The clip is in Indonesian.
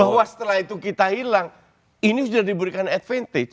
bahwa setelah itu kita hilang ini sudah diberikan advantage